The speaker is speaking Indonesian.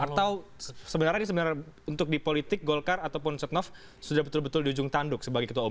atau sebenarnya ini sebenarnya untuk di politik golkar ataupun setnov sudah betul betul di ujung tanduk sebagai ketua umum